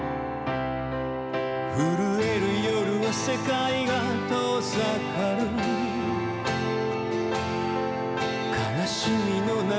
震える夜は世界が遠離る悲しみの中